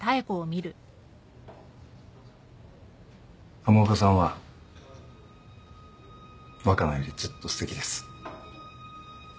浜岡さんは若菜よりずっとすてきです。